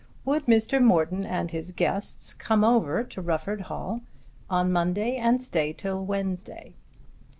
Would Mr. Morton and his guests come over to Rufford Hall on Monday and stay till Wednesday?